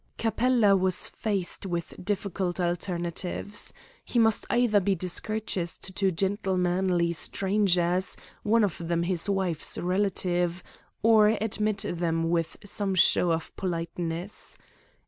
Capella was faced with difficult alternatives. He must either be discourteous to two gentlemanly strangers, one of them his wife's relative, or admit them with some show of politeness.